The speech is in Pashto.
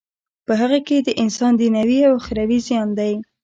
په هغه کی د انسان دینوی او اخروی زیان دی.